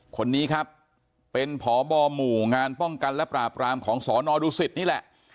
คนนี้ครับเป็นพบหมู่งานป้องกันและปราบรามของสนดุสิตนี่แหละ